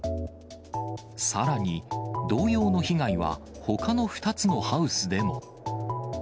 さらに、同様の被害はほかの２つのハウスでも。